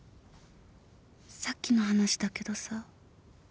さっきの話だけどさ。